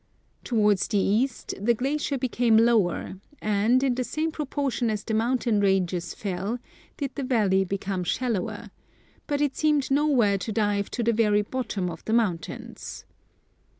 Towards the east the glacier became lower, and in the same proportion as the mountain ranges fell, did the valley become shallower ; but it seemed nowhere to dive to the very bottom of the mountains.